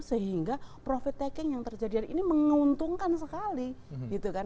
sehingga profit taking yang terjadi hari ini menguntungkan sekali gitu kan